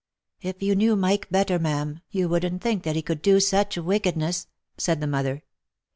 " If you knew Mike better, ma'am, you wouldn't think that he could do such wickedness," said the mother.